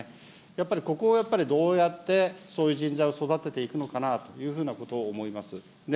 やっぱりここはやっぱりどうやってそういう人材を育てていくのかなということを思います。